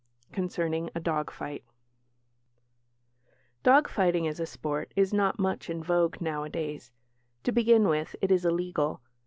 CONCERNING A DOG FIGHT Dog fighting as a sport is not much in vogue now a days. To begin with it is illegal.